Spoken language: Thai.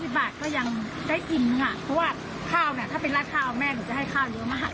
อิ่มไป๓วันแน่นอนอิ่มไป๓วันแน่นอน